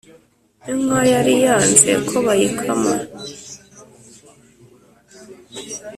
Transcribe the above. Inka yari yanze ko bayikama